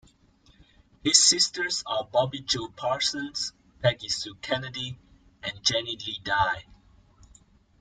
His sisters are Bobbi Jo Parsons, Peggy Sue Kennedy, and Janie Lee Dye.